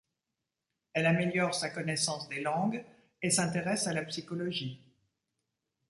Elle améliore sa connaissance des langues et s'intéresse à la psychologie.